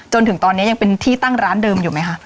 จนถึงตอนนี้ยังเป็นที่ตั้งร้านเดิมอยู่ไหมคะ